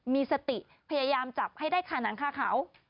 มีสติพยายามจับให้ได้ค่ะหนังคาเขา